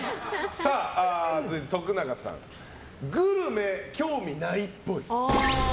徳永さん、グルメ興味ないっぽい。